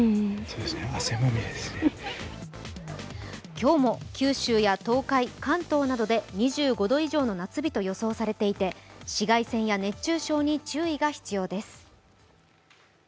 今日も九州や東海・関東などで２５度以上の夏日と予想されていて紫外線や熱中症に注意が必要です。